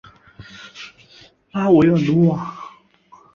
拉韦尔努瓦。